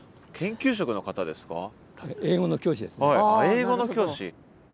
英語の教師。